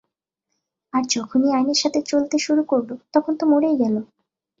আর যখনই আইনের সাথে চলতে শুরু করলো, তখন তো মরেই গেলো।